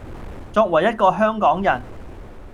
作為一個香港人